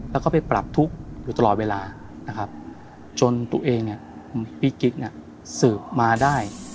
แล้วก็ไปปรับทุกข์อยู่ตลอดเวลาจนตัวเองพี่กิ๊กสืบมาได้